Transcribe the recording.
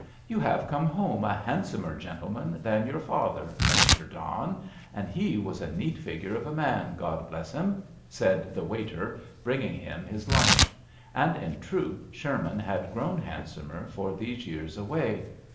" You have come home a hand somergentleman thanyourfather, Misther John, and he was a neat figure of a man, God bless him !" said the waiter, bringing him his lunch ; and in truth Sherman had grown handsomer for these years away.